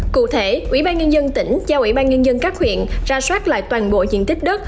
cụ thể ủy ban nhân dân tỉnh giao ủy ban nhân dân các huyện ra soát lại toàn bộ diện tích đất